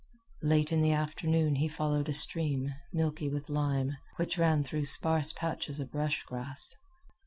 Late in the afternoon he followed a stream, milky with lime, which ran through sparse patches of rush grass.